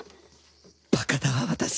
バカだわ私。